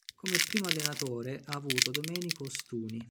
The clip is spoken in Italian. Come primo allenatore ha avuto Domenico Ostuni.